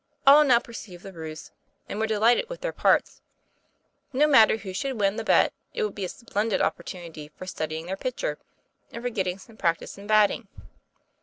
All now perceived the ruse and were delighted with their parts. No matter who should win the bet, it would be a splendid opportunity for studying their pitcher, and for getting some practice in batting.